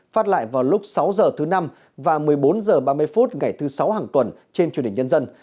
phát lại vào lúc sáu h thứ năm và một mươi bốn h ba mươi phút ngày thứ sáu hàng tuần trên truyền hình nhân dân